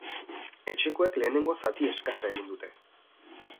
Etxekoek lehenengo zati eskasa egin dute.